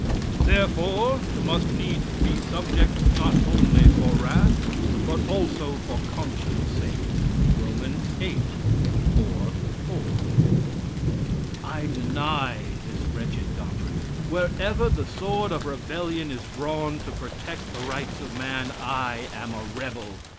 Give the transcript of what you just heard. "Therefore to must needs be subject not only for wrath, but also for conscience sake." Rom. viii, 4, 4. (I deny this wretched doctrine. Wherever the sword of rebellion is drawn to protect the rights of man, I am a rebel.